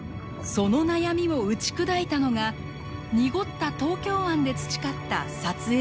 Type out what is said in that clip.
その悩みを打ち砕いたのが濁った東京湾で培った撮影手法でした。